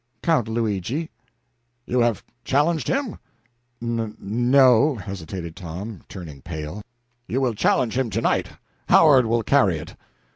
"Count Luigi." "You have challenged him?" "N no," hesitated Tom, turning pale. "You will challenge him to night. Howard will carry it."